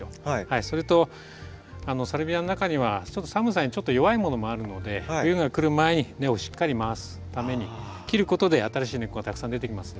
それとサルビアの中には寒さにちょっと弱いものもあるので冬が来る前に根をしっかり回すために切ることで新しい根っこがたくさん出てきますんで。